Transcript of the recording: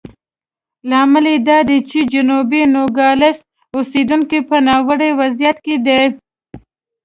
لامل دا دی چې جنوبي نوګالس اوسېدونکي په ناوړه وضعیت کې دي.